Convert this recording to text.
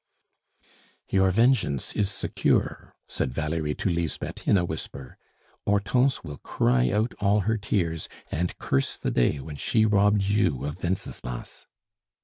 "Your vengeance is secure," said Valerie to Lisbeth in a whisper. "Hortense will cry out all her tears, and curse the day when she robbed you of Wenceslas."